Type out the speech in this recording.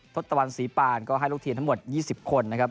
ทศตวรรษีปานก็ให้ลูกทีมทั้งหมด๒๐คนนะครับ